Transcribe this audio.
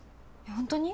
ホントに？